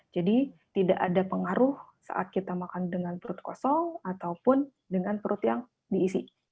jadi tidak ada pengaruh saat kita makan dengan perut kosong ataupun dengan perut yang diisi